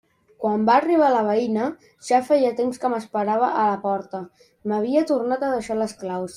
Quan va arribar la veïna, ja feia temps que m'esperava a la porta: m'havia tornat a deixar les claus.